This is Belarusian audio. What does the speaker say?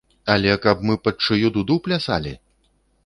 Але каб мы пад чыю дуду плясалі?